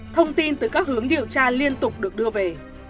thông tin từ các hướng điều tra liên tục được đưa về